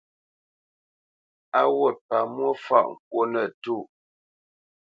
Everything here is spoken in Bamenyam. A wût pamwô fâʼ ŋkwó nətûʼ.